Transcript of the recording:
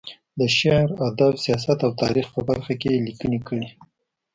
د شعر، ادب، سیاست او تاریخ په برخه کې یې لیکنې کړې.